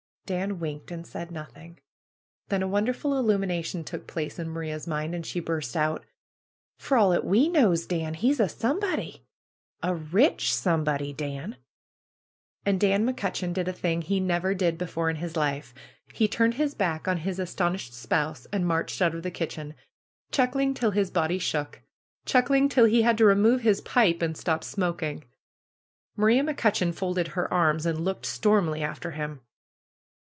Dan winked and said nothing. Then a wonderful illumination took place in Maria's mind, and she burst out: ^^For all 'at we knows, Dan, he's a Somebody! A rich Somebody, Dan!" And Dan McCutcheon did a thing he never did be fore in his life. He turned his back on his astonished spouse and marched out of the kitchen, chuckling till his body shook; chuckling till he had to remove his pipe and stop smoking! Maria McCutcheon folded her arms, and looked stormily after him.